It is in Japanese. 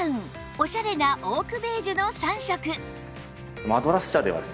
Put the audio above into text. オシャレなオークベージュの３色